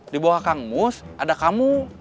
di bawah kang mus ada kamu